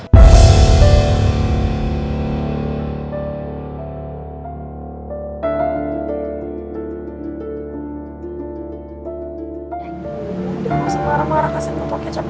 udah nggak usah marah marah kasih botol kecap